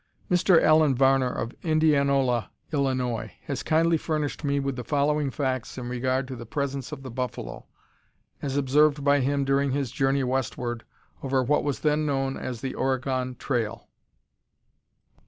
Mr. Allen Varner, of Indianola, Illinois, has kindly furnished me with the following facts in regard to the presence of the buffalo, as observed by him during his journey westward, over what was then known as the Oregon Trail.